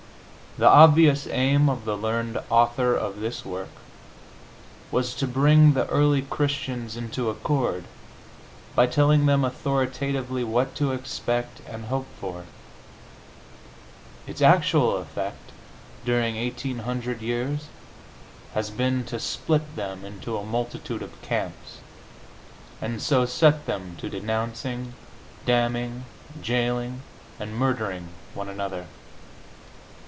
The obvious aim of the learned author of this work was to bring the early Christians into accord by telling them authoritatively what to expect and hope for; its actual effect during eighteen hundred years has been to split them into a multitude of camps, and so set them to denouncing, damning, jailing and murdering one another.